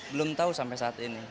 belum tahu sampai saat ini